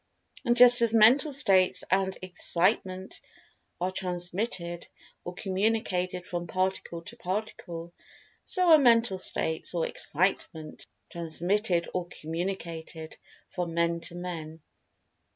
And just as Mental States and "Excitement" are transmitted, or communicated from Particle to Particle, so are Mental States or "Excitement" transmitted or communicated from Men to Men.